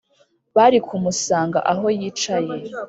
bari kumusanga aho yicaye,